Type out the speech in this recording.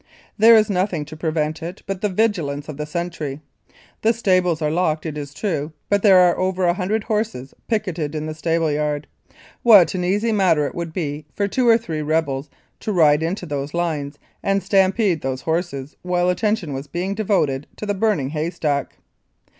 There is nothing to prevent it but the vigilance of the sentry. The stables are locked, it is true, but there are over a hundred horses picketed in the stableyard. What an easy matter it would be for two or three rebels to ride into those lines and stampede those horses while attention was being devoted to the burning haystack